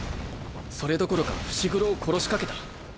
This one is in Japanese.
それどころか伏黒を殺しかけた。